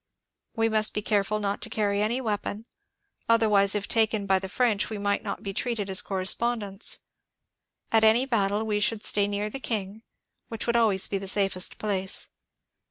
We must be careful not to carry any weapon, — otherwise if taken by the French we might not be treated as correspondents ; at any battle we should stay near the King, which would always be the safest place.